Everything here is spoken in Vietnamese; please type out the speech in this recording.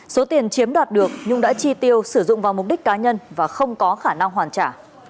số tiền chiếm đoạt được nhung đã chi tiêu sử dụng vào mục đích cá nhân và không có khả năng hoàn trả